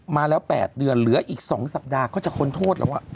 มาแล้ว๘เดือนเหลืออีก๒สัปดาห์ก็จะพ้นโทษแล้ว